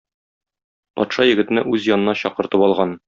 Патша егетне үз янына чакыртып алган.